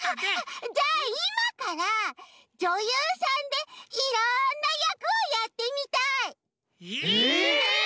じゃあいまからじょゆうさんでいろんなやくをやってみたい！えっ！？